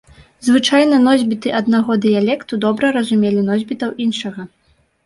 Звычайна носьбіты аднаго дыялекту добра разумелі носьбітаў іншага.